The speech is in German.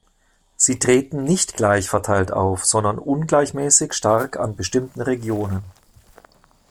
Sie treten nicht gleichverteilt auf, sondern ungleichmäßig stark an bestimmten Regionen.